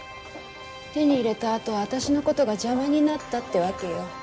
手に入れたあとは私の事が邪魔になったってわけよ。